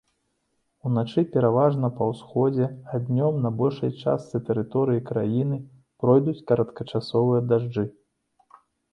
Уначы пераважна па ўсходзе, а днём на большай частцы тэрыторыі краіны пройдуць кароткачасовыя дажджы.